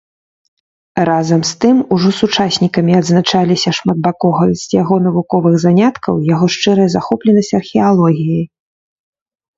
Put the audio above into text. Разам з тым ужо сучаснікамі адзначаліся шматбаковасць яго навуковых заняткаў, яго шчырая захопленасць археалогіяй.